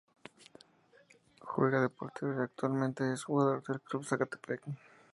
Juega de portero y actualmente es jugador del Club Zacatepec.